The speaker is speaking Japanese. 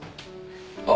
あっ！